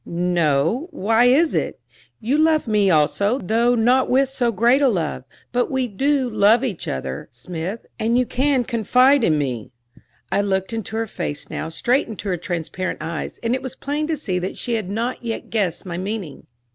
"No; why is it? You love me also, though not with so great a love; but we do love each other, Smith, and you can confide in me?" I looked into her face now, straight into her transparent eyes, and it was plain to see that she had not yet guessed my meaning.